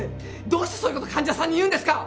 どうしてそういう事患者さんに言うんですか！